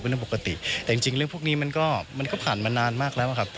เรื่องปกติแต่จริงเรื่องพวกนี้มันก็มันก็ผ่านมานานมากแล้วอะครับ